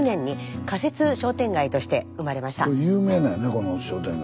この商店街。